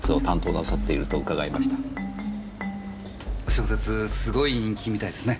小説すごい人気みたいですね。